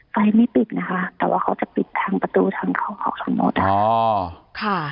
ไฟไม่ปิดนะคะแต่ว่าเขาจะปิดทางประตูทางเขาออกทั้งหมดค่ะ